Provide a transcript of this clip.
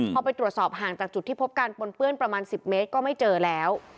พอไปตรวจสอบห่างจากจุดที่พบการปนเปื้อนประมาณ๑๐เมตรก็ไม่เจอแล้ว